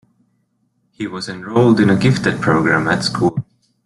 He was enrolled in a gifted program at school.